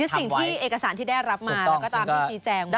สิ่งที่เอกสารที่ได้รับมาแล้วก็ตามที่ชี้แจง